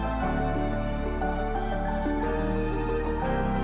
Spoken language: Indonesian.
sejumlah batas di amerika devils menggunakan bagian yang sama